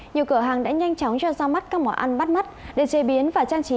nhiều cửa hàng đã nhanh chóng cho ra mắt các món ăn bắt mắt để chế biến và trang trí